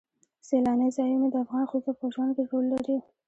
سیلانی ځایونه د افغان ښځو په ژوند کې رول لري.